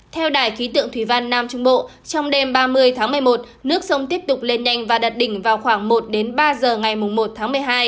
theo đài khí tượng thủy văn nam trung bộ trong đêm ba mươi tháng một mươi một nước sông tiếp tục lên nhanh và đặt đỉnh vào khoảng một đến ba giờ ngày một tháng một mươi hai